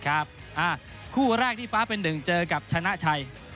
คู่แรกที่ฟ้าเป็นหนึ่งเจอกับชนะชัย